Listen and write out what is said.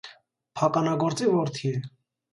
Փականագործի որդի է։